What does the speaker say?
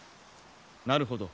なるほど。